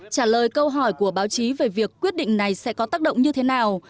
trả lời câu hỏi của báo chí về việc quyết định này sẽ có tác động như thế nào